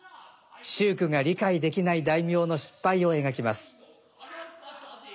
秀句が理解できない大名の失敗を描きます。